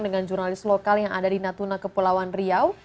dengan jurnalis lokal yang ada di natuna kepulauan riau